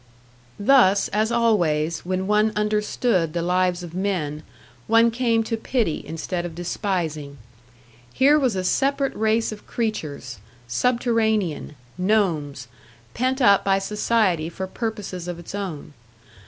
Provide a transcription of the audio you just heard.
Thus, as always, when one understood the lives of men, one came to pity instead of despising. Here was a separate race of creatures, subterranean, gnomes, pent up by society for purposes of its own.